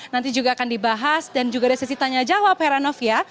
nanti juga akan dibahas dan juga ada sesi tanya jawab heranov ya